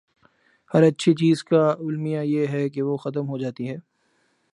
ہر اچھی چیز کا المیہ یہ ہے کہ وہ ختم ہو جاتی ہے۔